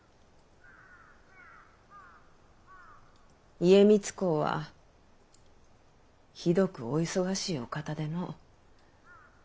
家光公はひどくお忙しいお方での。